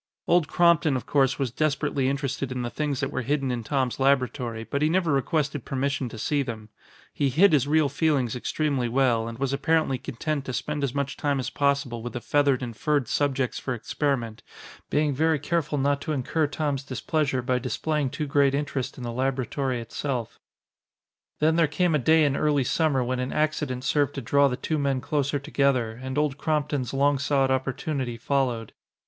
Old Crompton, of course, was desperately interested in the things that were hidden in Tom's laboratory, but he never requested permission to see them. He hid his real feelings extremely well and was apparently content to spend as much time as possible with the feathered and furred subjects for experiment, being very careful not to incur Tom's displeasure by displaying too great interest in the laboratory itself. Then there came a day in early summer when an accident served to draw the two men closer together, and Old Crompton's long sought opportunity followed.